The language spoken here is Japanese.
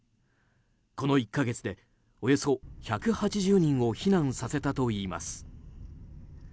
この１か月で、およそ１８０人を避難させたといいます。